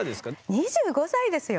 ２５歳ですよ？